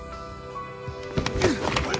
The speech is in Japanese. おい！